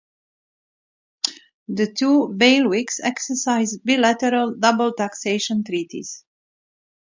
The two Bailiwicks exercise bilateral double taxation treaties.